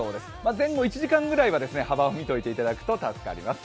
前後１時間は幅を見ておいていただくと助かります。